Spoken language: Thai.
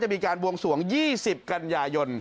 มีการบวงสวง๒๐กันยายน